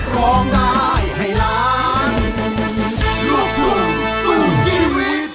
โปรดติดตามตอนต่อไป